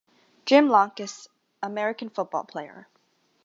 Jim Lankas, American football player.